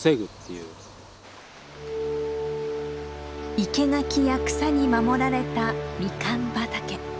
生け垣や草に守られたミカン畑。